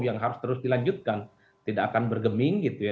yang harus terus dilanjutkan tidak akan bergeming gitu ya